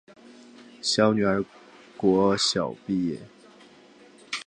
小女儿国小毕业